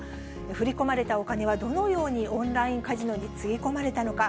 振り込まれたお金はどのようにオンラインカジノにつぎ込まれたのか。